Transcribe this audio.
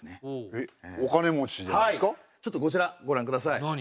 ちょっとこちらご覧下さい。